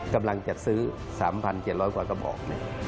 กำลังจัดซื้อ๓๗๐๐กว่ากระบอก